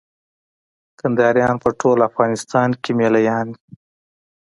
کندهاريان په ټول افغانستان کښي مېله يان دي.